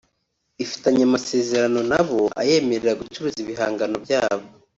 ifitanye amasezerano nabo ayemerera gucuruza ibihangano byabo